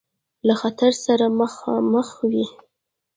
له خطر سره مخامخ وي.